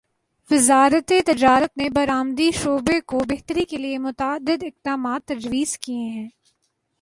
وزارت تجارت نے برآمدی شعبے کو بہتری کیلیے متعدد اقدامات تجویز کیے ہیں